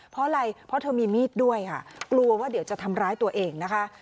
เพราะอะไรเพราะเธอมีมีดด้วยค่ะกลัวว่าเดี๋ยวจะทำร้ายตัวเองนะคะ